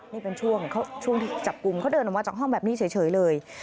นี่เป็นช่วงที่จับกลุ่มเขาเดินออกมาจากห้องแบบนี้เฉยเลย